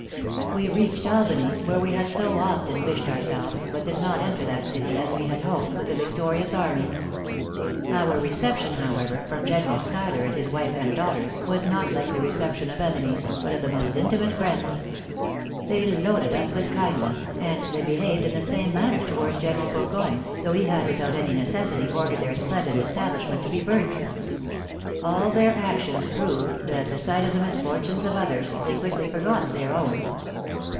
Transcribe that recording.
"We reached Albany, where we had so often wished ourselves; but did not enter that city, as we had hoped, with a victorious army. Our reception, however, from General Schuyler, and his wife and daughters, was not like the reception of enemies, but of the most intimate friends. They loaded us with kindness; and they behaved in the same manner towards General Burgoyne, though he had without any necessity ordered their splendid establishment to be burnt. All their actions proved that at the sight of the misfortunes of others, they quickly forgot their own.